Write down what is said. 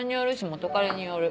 元カレによる。